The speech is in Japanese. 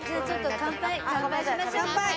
乾杯！